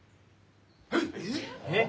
えっ！？